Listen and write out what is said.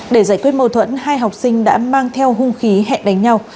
để giải quyết mâu thuẫn hai học sinh đã mang theo hung khí hẹn đánh nhau